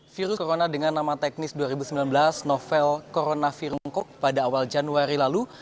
virus corona dengan nama teknis dua ribu sembilan belas novel coronavirus pada awal januari lalu